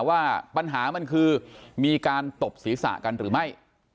ว่าปัญหามันคือมีการตบศีรษะกันหรือไม่